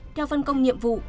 theo phân công nhiệm vụ